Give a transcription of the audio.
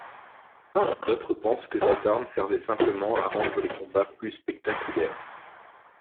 D’autres pensent que cette arme servait simplement à rendre les combats plus spectaculaires.